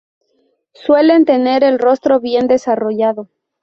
Suelen tener el rostro bien desarrollado.